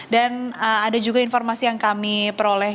dan ada juga informasi yang kami peroleh